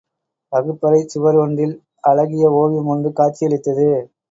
வகுப்பறைச் சுவர் ஒன்றில் அழகிய ஓவியம் ஒன்று காட்சியளித்தது.